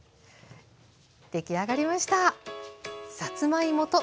出来上がりました！